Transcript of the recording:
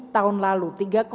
tahun lalu tiga enam